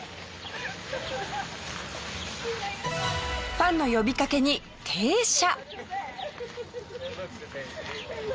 ファンの呼びかけに停車。